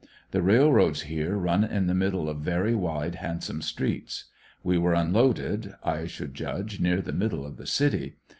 The railroads here run in the middle of very wide, handsome streets. We were unloaded, I should judge, near the middle of the city.